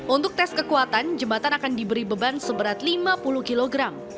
untuk tes kekuatan jembatan akan diberi beban seberat lima puluh kg